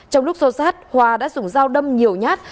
trong lúc xô sát hòa đã dùng dao đâm nhiều nhát